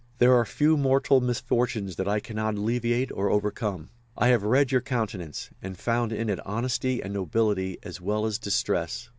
There are few mortal misfortunes that I cannot alleviate or overcome. I have read your countenance, and found in it honesty and nobility as well as distress.